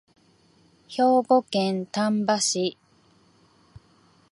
兵庫県丹波市